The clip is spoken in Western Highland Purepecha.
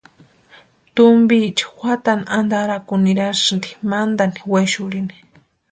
Tumpiecha juatani antarakuni nirasïnti mantani wexurhini.